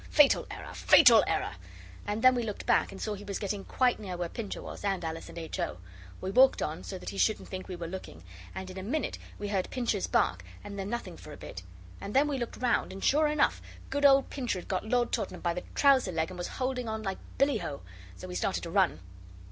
Fatal error, fatal error!' And then we looked back and saw he was getting quite near where Pincher was, and Alice and H. O. We walked on so that he shouldn't think we were looking and in a minute we heard Pincher's bark, and then nothing for a bit; and then we looked round, and sure enough good old Pincher had got Lord Tottenham by the trouser leg and was holding on like billy ho, so we started to run.